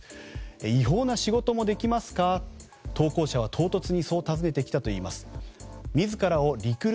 違法な仕事もできますか？と投稿者は唐突にそう尋ねてきたといいます。